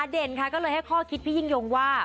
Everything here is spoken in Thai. เด่นค่ะก็เลยให้ข้อคิดพี่ยิ่งยงว่า